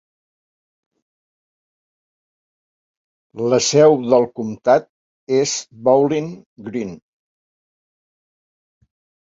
La seu del comtat és Bowling Green.